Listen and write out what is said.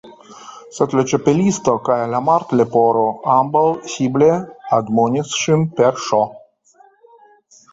Sed la Ĉapelisto kaj la Martleporo ambaŭ sible admonis ŝin per Ŝ!